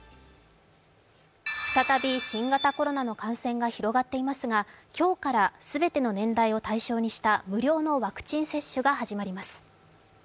再び新型コロナの感染が広がっていますが今日から全ての年代を対象にした無料のワクチン接種が始まります。